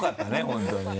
本当に。